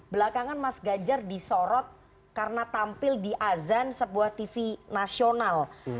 belakangan mas ganjar disorot karena tampil di azan sebuah tv nasional